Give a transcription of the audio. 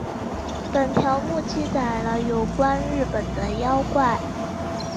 本条目记载了有关日本的妖怪。